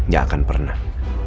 gak akan pernah